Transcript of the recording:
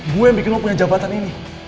gua yang bikin lo punya jabatan ini